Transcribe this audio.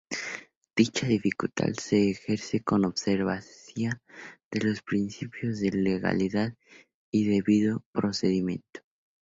Dicha facultad se ejerce con observancia de los principios de legalidad y debido procedimiento.